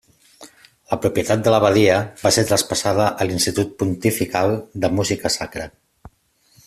La propietat de l'abadia va ser traspassada a l'Institut Pontifical de Música Sacra.